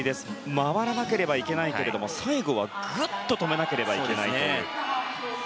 回らなければいけないけども最後はぐっと止めなければいけないという。